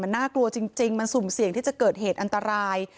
น่ากลัวจริงมันสุ่มเสี่ยงที่จะเกิดเหตุอันตราย